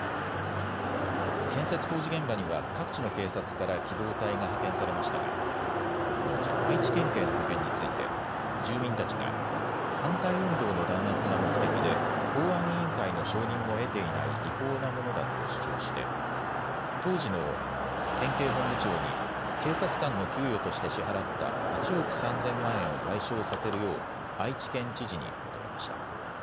建設工事現場には、各地の警察から機動隊が派遣されましたが、このうち愛知県警の派遣について、住民たちが、反対運動の弾圧が目的で、公安委員会の承認も得ていない違法なものだと主張して、当時の県警本部長に、警察官の給与として支払った１億３０００万円を賠償させるよう、愛知県知事に求めました。